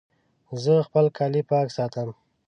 زه خپل کالي پاک ساتم.